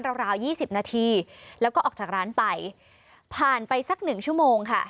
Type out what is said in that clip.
ราว๒๐นาทีแล้วก็ออกจากร้านไปผ่านไปสัก๑ชั่วโมงค่ะ